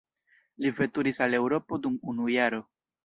Li veturis al Eŭropo dum unu jaro.